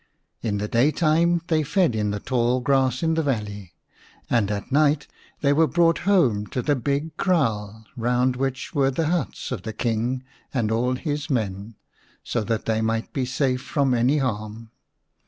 In the day time they fed in the tall grass in the valley, and at night they were brought home to the big kraal, round which were the huts of the King and all his men, so that they might be safe from any harm.